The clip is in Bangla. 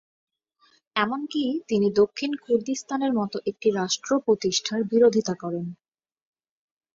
এমনকি তিনি দক্ষিণ কুর্দিস্তানের মতো একটি রাষ্ট্র প্রতিষ্ঠার বিরোধিতা করেন।